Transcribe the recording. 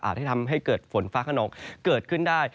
ที่ทำให้เกิดฝนฟ้าขนองเกิดขึ้นได้